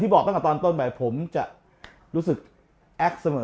ตอนต้นไปผมจะความรู้สึกแอดเสมอ